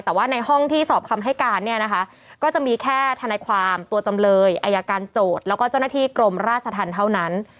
แต่ว่าในห้องที่สอบคำให้การเนี่ยนะคะก็จะมีแค่ทนายความตัวจำเลยอายการโจทย์แล้วก็เจ้าหน้าที่กรมราชธรรมเท่านั้น